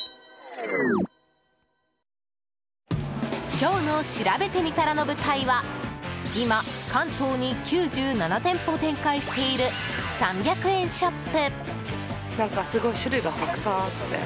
今日のしらべてみたらの舞台は今、関東に９７店舗展開している３００円ショップ。